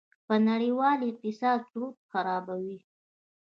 په نړېوال اقتصاد چورت خرابوي.